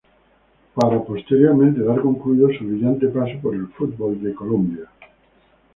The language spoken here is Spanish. Para posteriormente dar concluido su brillante paso por el fútbol de Colombia.